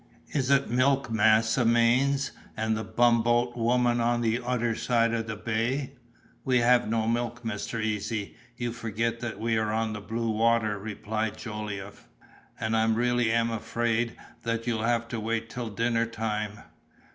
"Is it milk massa manes, and the bumboat woman on the oder side of the bay?" "We have no milk, Mr. Easy; you forget that we are on the blue water," replied Jolliffe, "and I really am afraid that you'll have to wait till dinner time.